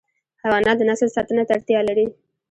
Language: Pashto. حیوانات د نسل ساتنه ته اړتیا لري.